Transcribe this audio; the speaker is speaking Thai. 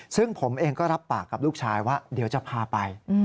ซึ่งผมเองก็รับปากกับลูกชายว่าเดี๋ยวจะพาไป